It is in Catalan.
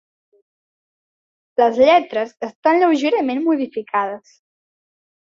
Les lletres estan lleugerament modificades.